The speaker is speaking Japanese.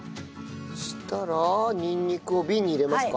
そしたらにんにくを瓶に入れますか？